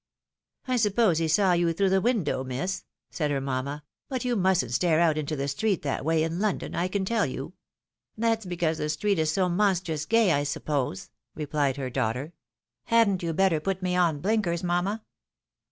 " I suppose he saw you through the window, miss," said her mamma ;" but you mustn't stare out into the street that way in London, I can tell you." " That's because the street is so monstrous gay, I suppose," replied her daughter. " Hadn't you better put me on blinkers, mamma